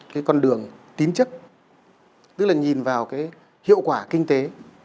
cái con đường tín chức tức là nhìn vào cái hiệu quả kinh tế